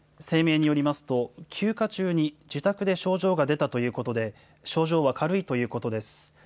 声明によりますと、休暇中に自宅で症状が出たということで、症状は軽いということです。